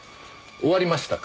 終わりましたか？